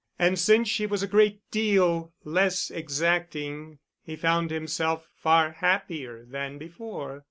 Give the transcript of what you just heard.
And since she was a great deal less exacting, he found himself far happier than before.